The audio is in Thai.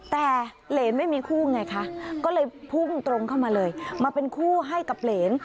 แต่เหรนไม่มีคู่ไงคะก็เลยพุ่งตรงเข้ามาเลยมาเป็นคู่ให้กับเหรน